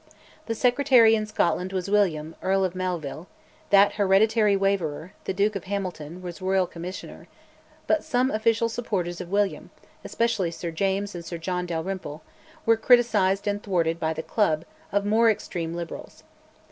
The Secretary in Scotland was William, Earl of Melville; that hereditary waverer, the Duke of Hamilton, was Royal Commissioner; but some official supporters of William, especially Sir James and Sir John Dalrymple, were criticised and thwarted by "the club" of more extreme Liberals.